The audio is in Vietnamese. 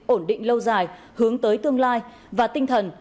ổn định lâu dài hướng tới tương lai và tinh thần